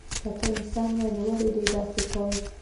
که ته انسان وای نو ولی دی داسی کول